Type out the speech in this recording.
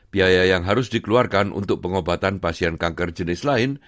biaya yang harus dikeluarkan untuk pengobatan pasien kanker jenis lain